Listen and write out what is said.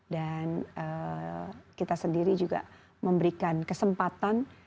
dan kita sendiri juga memberikan kesempatan